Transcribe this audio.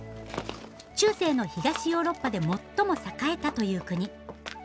中世の東ヨーロッパで最も栄えたという国。